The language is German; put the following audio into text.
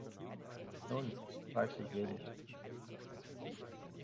Nun, reichlich wenig.